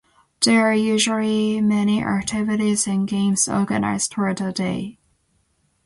There are usually many activities and games organized for the day.